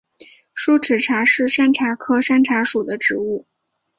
疏齿茶是山茶科山茶属的植物。